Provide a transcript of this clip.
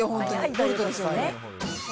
ボルトですよね。